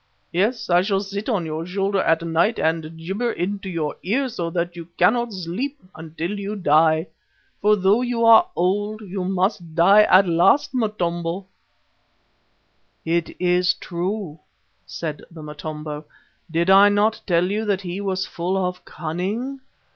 Yes, I shall sit on your shoulder at night and jibber into your ear so that you cannot sleep, until you die. For though you are old you must die at last, Motombo." "It is true," said the Motombo. "Did I not tell you that he was full of cunning?